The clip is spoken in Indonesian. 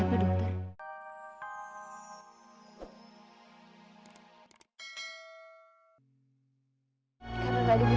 berdoa lagi kita membahas masalah ini